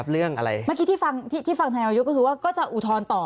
แบบที่ที่ฟังที่ฟังว่าก็คือว่าก็จะอุทรต่อ